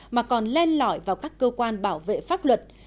mà còn len lỏi vào các cơ quan bảo vệ pháp luật